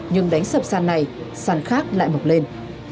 nhưng đánh sập sàn này săn khác lại mọc lên